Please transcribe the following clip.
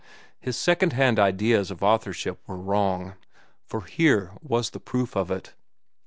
His second hand ideas of authorship were wrong, for here was the proof of it.